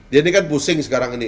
dia ini kan pusing sekarang ini